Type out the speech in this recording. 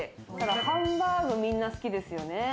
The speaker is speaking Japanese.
ハンバーグみんな好きですよね。